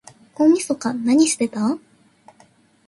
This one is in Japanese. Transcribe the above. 大晦日なにしてた？